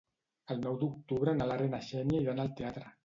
El nou d'octubre na Lara i na Xènia iran al teatre.